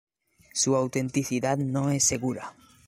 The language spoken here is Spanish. Su autenticidad no es segura.